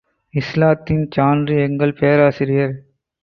இஸ்லாத்தின் சான்று எங்கள் பேராசிரியர்.